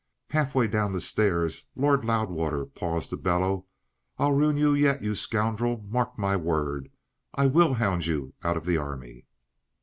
Half way down the stairs Lord Loudwater paused to bellow: "I'll ruin you yet, you scoundrel! Mark my word! I will hound you out of the Army!"